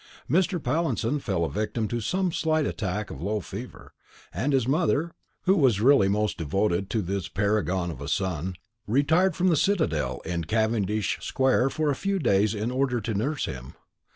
Mr. Pallinson fell a victim to some slight attack of low fever; and his mother, who was really most devoted to this paragon of a son, retired from the citadel in Cavendish Square for a few days in order to nurse him.